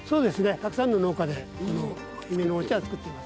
たくさんの農家でこのヒメノモチは作っています。